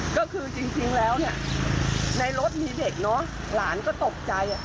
ก็คือจริงแล้วในรถมีเด็กหลานก็ตกใจ